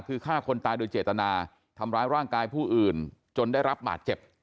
คือฆ่าคนตายโดยเจตนาทำร้ายร่างกายผู้อื่นจนได้รับบาดเจ็บ